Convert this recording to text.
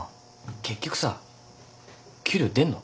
結局さ給料出んの？